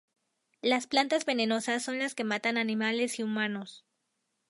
Las plantas venenosas son las que matan animales y humanos.